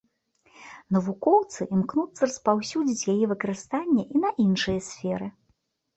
Навукоўцы імкнуцца распаўсюдзіць яе выкарыстанне і на іншыя сферы.